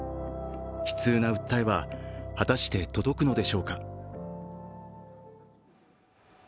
悲痛な訴えは果たして届くのでしょうか。